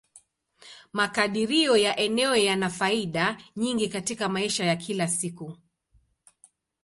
Makadirio ya eneo yana faida nyingi katika maisha ya kila siku.